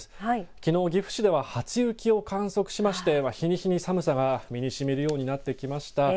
きのう岐阜市では初雪を観測しまして日に日に寒さが身にしみるようになってきました。